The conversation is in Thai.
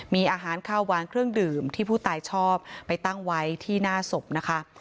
มีอาหารข้าววางเครื่องดื่มที่ผู้ตายชอบไปตั้งไว้ที่หน้าศพนะคะ